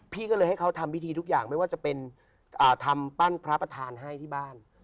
พี่ก็เลยให้เขาทำพิธีทุกอย่างไม่ว่าจะเป็นทำปั้นพระประธานให้ที่บ้าน